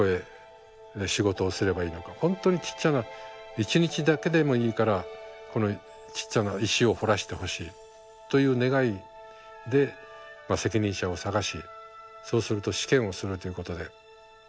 本当にちっちゃな一日だけでもいいからこのちっちゃな石を彫らしてほしいという願いで責任者を探しそうすると試験をするということで。